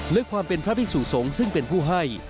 เลือกความเป็นพระพิสุสงฆ์ซึ่งเป็นผู้ให้